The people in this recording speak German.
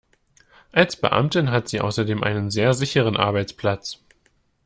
Als Beamtin hat sie außerdem einen sehr sicheren Arbeitsplatz.